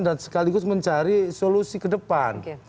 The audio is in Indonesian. dan sekaligus mencari solusi ke depan